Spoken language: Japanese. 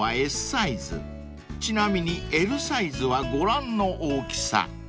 ［ちなみにＬサイズはご覧の大きさ］